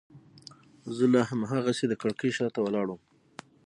زه لا هماغسې د کړکۍ شاته ولاړ وم.